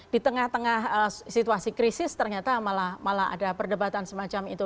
di tengah tengah situasi krisis ternyata malah ada perdebatan semacam itu